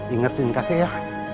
ingetin kakek ya